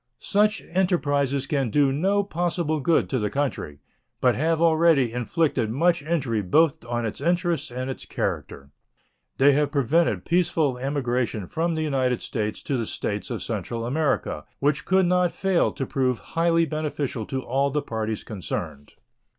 Such enterprises can do no possible good to the country, but have already inflicted much injury both on its interests and its character. They have prevented peaceful emigration from the United States to the States of Central America, which could not fail to prove highly beneficial to all the parties concerned.